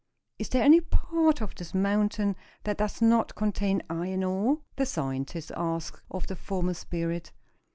Is there any part of this mountain that does not contain iron ore?" the scientist asked of the former spirit.